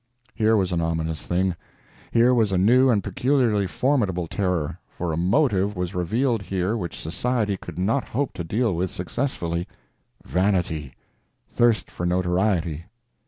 Here was an ominous thing; here was a new and peculiarly formidable terror, for a motive was revealed here which society could not hope to deal with successfully—vanity, thirst for notoriety.